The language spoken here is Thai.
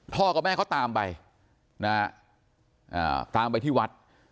กับแม่เขาตามไปนะฮะตามไปที่วัด